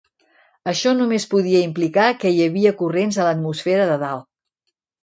Això només podia implicar que hi havia corrents a l'atmosfera de dalt.